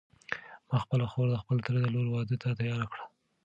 ما خپله خور د خپل تره د لور واده ته تیاره کړه.